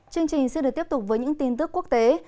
chương trình sẽ được tiếp tục với những tin tức quốc tế